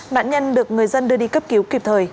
nạn nhân được người dân đưa đi cấp cứu kịp thời